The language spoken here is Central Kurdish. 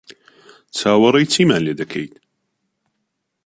چاوەڕێی چیمان لێ دەکەیت؟